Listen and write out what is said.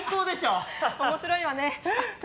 面白いわね。